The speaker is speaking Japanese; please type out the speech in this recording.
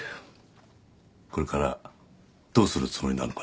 これからどうするつもりなのかな？